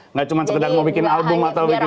nggak cuma sekedar mau bikin album atau bikin